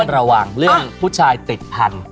ระหว่างเรื่องผู้ชายติดพันธุ